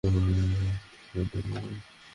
মেয়ের এই বিচিত্র অসুখের সত্যি কি কোনো সমাধান আছে?